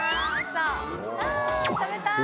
あ食べたい！